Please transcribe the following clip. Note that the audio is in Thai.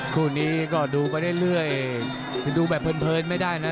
คู่นี้ก็ดูไปเรื่อยดูแบบเพลินไม่ได้นะ